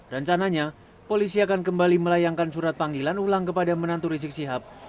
rencananya polisi akan kembali melayangkan surat panggilan ulang kepada menantu rizik sihab